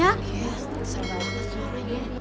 ya serba banget suaranya